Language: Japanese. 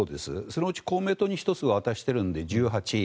そのうち公明党に１つ渡しているので１８。